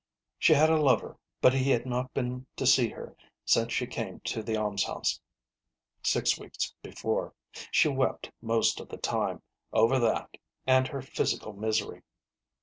She had a lover, but he had not been to see her since she came to the alms house, six weeks before ; she wept most of the time over that and her physical misery.